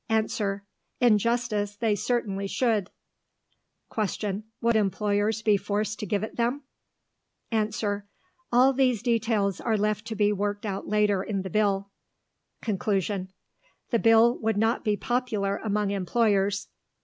Answer: In justice they certainly should. Question: Would employers be forced to give it them? Answer: All these details are left to be worked out later in the Bill. Conclusion: The Bill would not be popular among employers.